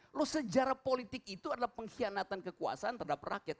kalau sejarah politik itu adalah pengkhianatan kekuasaan terhadap rakyat